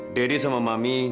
aku udah selesai